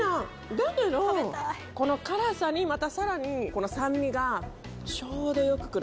だけどこの辛さにまたさらにこの酸味がちょうどよく来る。